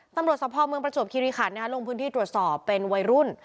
สะพอเมืองประจวบคิริขันลงพื้นที่ตรวจสอบเป็นวัยรุ่น